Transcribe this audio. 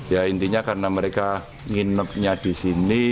ya intinya karena mereka nginepnya di sini